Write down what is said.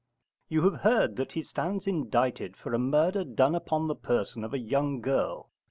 You have heard that he stands indicted for a murder done upon the person of a young girl.